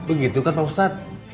itu gitu kan pak ustadz